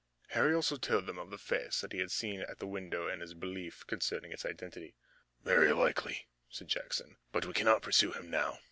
Harry also told then of the face that he had seen at the window and his belief concerning its identity. "Very likely," said Jackson, "but we cannot pursue him now.